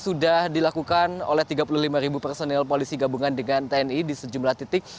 sudah dilakukan oleh tiga puluh lima personil polisi gabungan dengan tni di sejumlah titik